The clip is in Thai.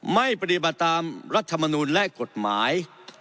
ไม่ปฏิบัติตามรัฐมนูลและกฎหมาย